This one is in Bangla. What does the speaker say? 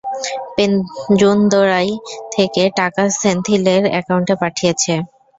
পেরুন্দুরাই থেকে টাকা সেন্থিলের অ্যাকাউন্টে পাঠিয়েছে।